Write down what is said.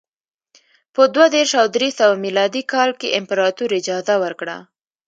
په دوه دېرش او درې سوه میلادي کال کې امپراتور اجازه ورکړه